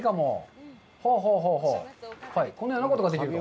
このようなことができると。